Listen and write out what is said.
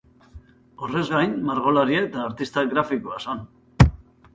Horrez gain, margolaria eta artista grafikoa zen.